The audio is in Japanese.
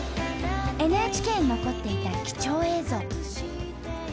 ＮＨＫに残っていた貴重映像。